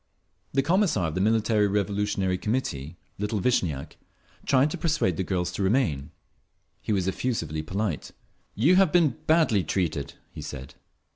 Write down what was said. … The Commissar of the Military Revolutionary Committee, little Vishniak, tried to persuade the girls to remain. He was effusively polite. "You have been badly treated," he said.